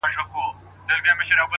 • وږي پړانګ غرڅه له لیري وو لیدلی ,